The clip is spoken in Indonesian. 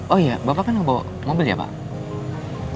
oh iya bapak kan membawa mobil ya pak